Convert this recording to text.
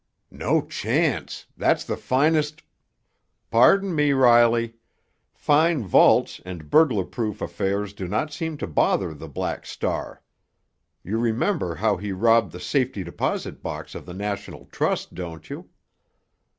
"No chance! That's the finest——" "Pardon me, Riley. Fine vaults and burglar proof affairs do not seem to bother the Black Star. You remember how he robbed the safety deposit boxes of the National Trust, don't you?"